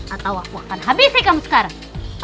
atau aku akan habiskan kamu sekarang